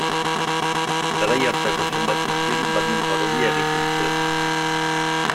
Garai hartako zenbait mutil banden parodia egiten zuen.